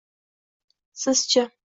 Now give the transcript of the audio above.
Sizchi?